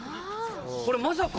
これまさか。